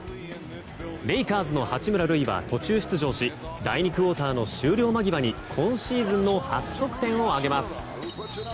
レイカーズの八村塁は途中出場し第２クオーターの終了間際に今シーズンの初得点を挙げます。